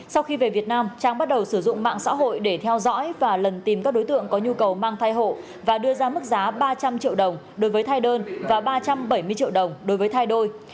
sau khi về việt nam trang bắt đầu sử dụng mạng xã hội để theo dõi và lần tìm các đối tượng có nhu cầu mang thai hộ và đưa ra mức giá ba trăm linh triệu đồng đối với thai đơn và ba trăm bảy mươi triệu đồng đối với thai đôi